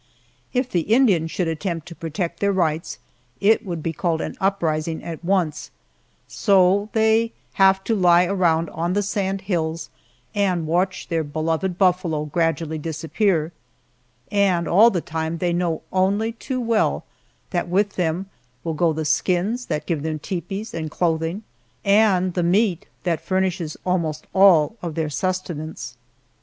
If the Indians should attempt to protect their rights it would be called an uprising at once, so they have to lie around on the sand hills and watch their beloved buffalo gradually disappear, and all the time they know only too well that with them will go the skins that give them tepees and clothing, and the meat that furnishes almost all of their sustenance.